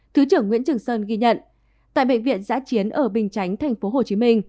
thứ trưởng nguyễn trường sơn ghi nhận tại bệnh viện giã chiến ở bình chánh tp hcm